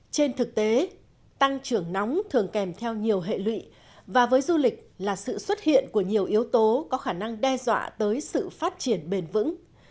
trên thực tế tăng trưởng nóng thường kèm theo nhiều hệ lụy và với du lịch là sự xuất hiện của nhiều yếu tố có khả năng đe dọa tới sự phát triển bền vững